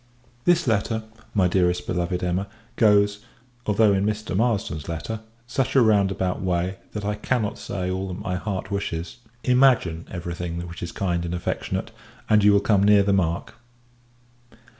This letter, my dearest beloved Emma, goes although in Mr. Marsden's letter such a roundabout way, that I cannot say all that my heart wishes. Imagine every thing which is kind and affectionate, and you will come near the mark.